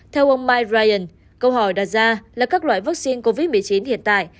theo ông mike brien câu hỏi đặt ra là các loại vaccine covid một mươi chín hiện tại